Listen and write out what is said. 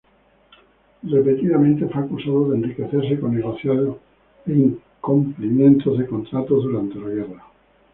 Repetidamente fue acusado de enriquecerse con negociados e incumplimientos de contratos durante la guerra.